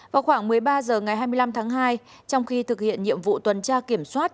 vào khoảng một mươi ba h ngày hai mươi năm tháng hai trong khi thực hiện nhiệm vụ tuần tra kiểm soát